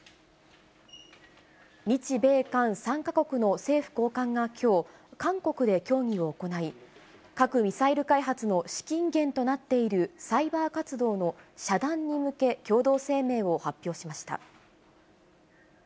日米韓３か国の政府高官がきょう、韓国で協議を行い、核・ミサイル開発の資金源となっているサイバー活動の遮断に向け、共同声明を発表しました。